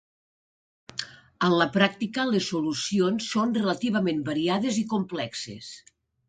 En la pràctica les solucions són relativament variades i complexes.